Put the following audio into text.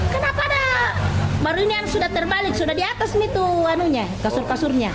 kenapa ada baru ini sudah terbalik sudah di atas nih tuh kasur kasurnya